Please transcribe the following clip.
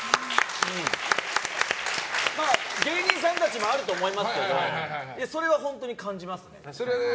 芸人さんたちもあると思いますけどそれは本当に感じます。